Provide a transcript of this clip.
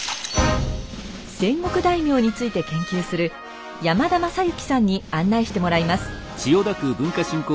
戦国大名について研究する山田将之さんに案内してもらいます。